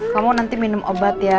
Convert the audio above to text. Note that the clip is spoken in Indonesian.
kamu nanti minum obat ya